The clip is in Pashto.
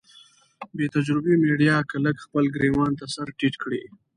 بې تجربې ميډيا که لږ خپل ګرېوان ته سر ټيټ کړي.